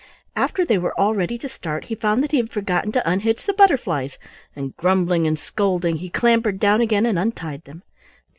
After they were all ready to start he found that he had forgotten to unhitch the butterflies, and grumbling and scolding he clambered down again and untied them.